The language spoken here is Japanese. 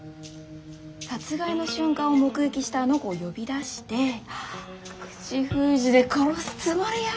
殺害の瞬間を目撃したあの子を呼び出して口封じで殺すつもりよ。